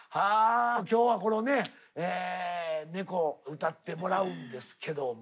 今日はこのね「猫」歌ってもらうんですけども。